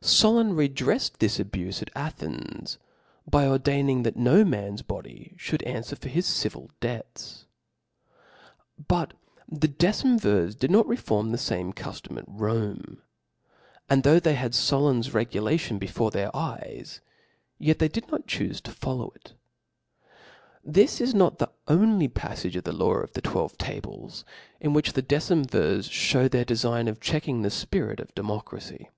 Solon re Slnk^Vxit ^''cff^^ ^^*s*bufc at Athens f) \ by ordaining, that of Soioa. no man's body fhould aofwer for his civil debts. 3ut the decemvirs *( did not reform the fame cuftom at Rome \ and though they had Solon's r^ulation before their eyes, yet they did not chuiib to ^Ilow it. This is not the only paffagc of the law of the twelve ubleS) in which the decemvirs Oaicm their defign of checking the fpirit of democracy.